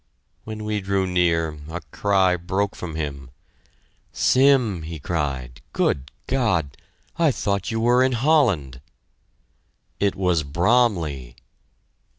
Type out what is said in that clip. When we drew near, a cry broke from him "Sim!" he cried. "Good God!... I thought you were in Holland." It was Bromley!